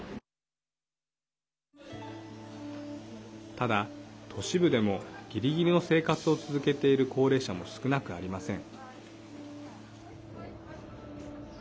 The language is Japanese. ただ、都市部でもぎりぎりの生活を続けている高齢者も少なくありません。